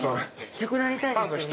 ちっちゃくなりたいの？